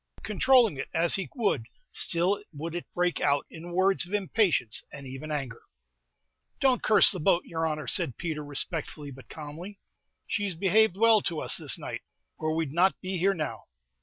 Controlling it as he would, still would it break out in words of impatience and even anger. "Don't curse the boat, yer honor," said Peter, respectfully, but calmly; "she's behaved well to us this night, or we 'd not be here now."